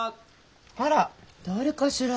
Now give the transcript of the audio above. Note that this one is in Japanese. あら誰かしら？